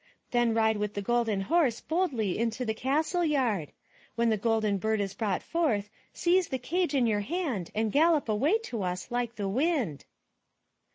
Then ride with the Golden Horse boldly into the castle yard. When the Golden Bird is brought forth, seize the cage in your hand and gallop away to us like the wind."